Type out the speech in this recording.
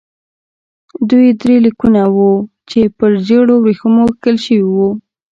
دوی درې لیکونه وو چې پر ژړو ورېښمو کښل شوي وو.